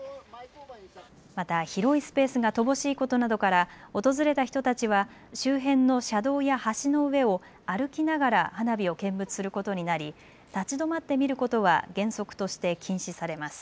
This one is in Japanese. また広いスペースが乏しいことなどから訪れた人たちは周辺の車道や橋の上を歩きながら花火を見物することになり立ち止まって見ることは原則として禁止されます。